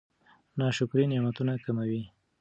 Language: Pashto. ناشکري نعمتونه کموي.